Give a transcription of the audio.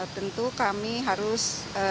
tentu kami harus